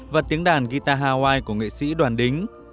và tiếng đàn guita hawaii của nghệ sĩ đoàn đính